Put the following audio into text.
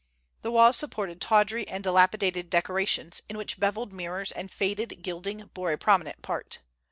The walls supported tawdry and dilapidated decorations, in which beveled mirrors and faded gilding bore a prominent part.